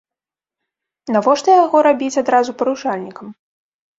Навошта яго рабіць адразу парушальнікам?